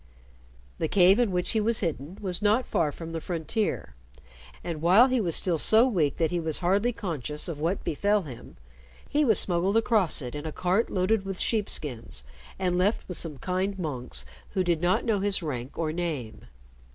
The cave in which he was hidden was not far from the frontier, and while he was still so weak that he was hardly conscious of what befell him, he was smuggled across it in a cart loaded with sheepskins, and left with some kind monks who did not know his rank or name.